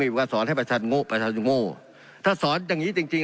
ว่าสอนให้ประชาชนโง่ประชาชนโง่ถ้าสอนอย่างงี้จริงจริง